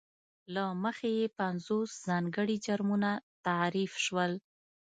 له مخې یې پینځوس ځانګړي جرمونه تعریف شول.